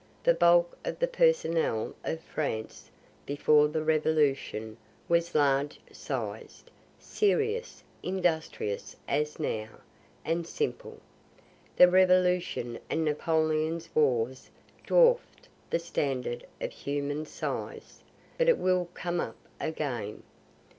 The bulk of the personnel of France, before the revolution, was large sized, serious, industrious as now, and simple. The revolution and Napoleon's wars dwarf'd the standard of human size, but it will come up again.